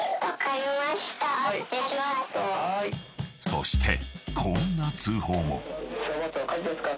［そしてこんな通報も］